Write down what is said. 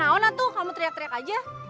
ayah naon atu kamu teriak teriak aja